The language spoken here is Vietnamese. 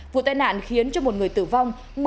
vụ tai nạn khiến cho một người tử vong